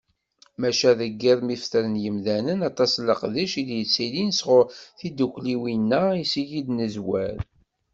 Maca deg yiḍ mi fetren yimdanen, aṭas n leqdic i d-yettilin sɣur tiddukkliwin-a iseg i d-nezwar.